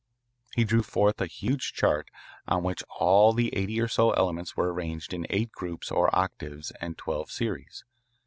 He drew forth a huge chart on which all the eighty or so elements were arranged in eight groups or octaves and twelve series.